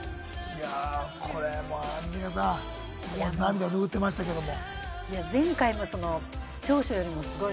これもうアンミカさん、涙ぬぐってましたけれども。